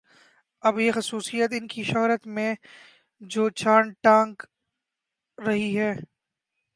اب یہ خصوصیت ان کی شہرت میں جو چاند ٹانک رہی ہے